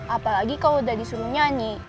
apalagi kalau udah disuruh nyanyi